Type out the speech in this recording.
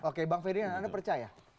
oke bang ferdinand anda percaya